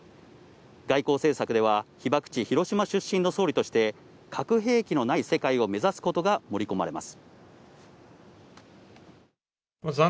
外交政策では被爆地広島出身の総理として核兵器のない世界を目指すことが盛り込まれています。